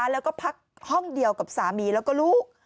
แล้วก็พักห้องเดียวกับสามีแล้วก็ลูก